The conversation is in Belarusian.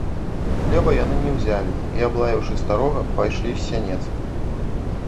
Хлеба яны не ўзялі і, аблаяўшы старога, пайшлі з сянец.